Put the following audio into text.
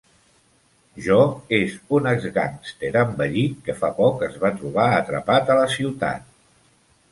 Jo és un ex-gàngster envellit que fa poc es va trobar atrapat a la ciutat.